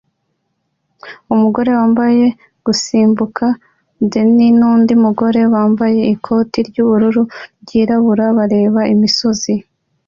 Umugore wambaye gusimbuka denim nundi mugore wambaye ikoti ryubururu ryirabura bareba imisozi